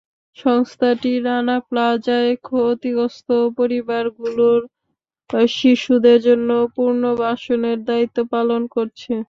সংস্থাটি রানা প্লাজায় ক্ষতিগ্রস্ত পরিবারগুলোর শিশুদের জন্য পুনর্বাসনের দায়িত্ব পালন করছে।